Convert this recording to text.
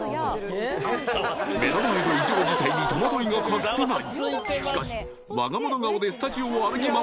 目の前の異常事態に戸惑いが隠せない